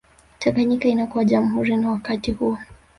Tanganyika inakuwa jamhuri na wakati huo